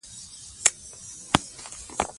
تاریخ د ولس شرف ساتي.